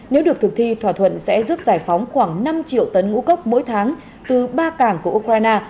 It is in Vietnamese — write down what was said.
nếu được thực thi thỏa thuận sẽ giúp giải phóng khoảng năm triệu tấn ngũ cốc mỗi tháng từ ba cảng của ukraine